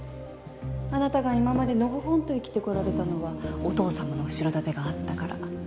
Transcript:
あなたが今までのほほんと生きてこられたのはお父さまの後ろ盾があったから